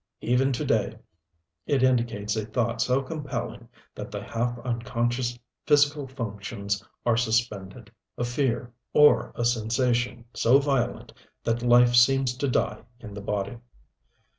Even to day it indicates a thought so compelling that the half unconscious physical functions are suspended: a fear or a sensation so violent that life seems to die in the body.